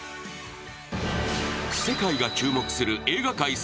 世界が注目する映画界